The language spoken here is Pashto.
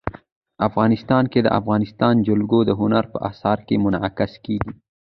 افغانستان کې د افغانستان جلکو د هنر په اثار کې منعکس کېږي.